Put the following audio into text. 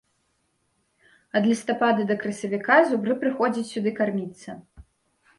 Ад лістапада да красавіка зубры прыходзяць сюды карміцца.